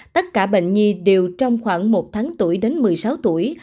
tất cả bệnh nhi đều trong khoảng một tháng tuổi đến một mươi sáu tuổi